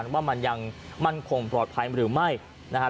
มีแสงกระจานอยู่ข้างไหน